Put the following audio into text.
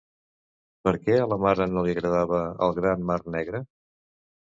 Per què a la mare no li agradava el gran mar negre?